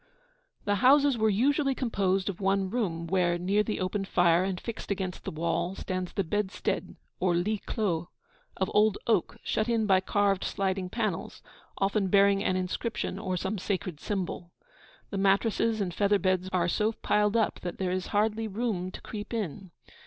The houses were usually composed of one room, where, near the open fire, and fixed against the wall, stands the bedstead or lit clos, of old oak, shut in by carved sliding panels, often bearing an inscription or some sacred symbol. The mattresses and feather beds are so piled up, that there is hardly room to creep in.